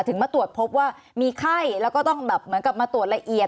มาตรวจพบว่ามีไข้แล้วก็ต้องแบบเหมือนกับมาตรวจละเอียด